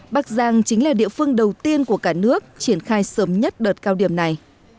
bắc giang chính là địa phương đầu tiên của cả nước triển khai sớm nhất đợt cao điểm này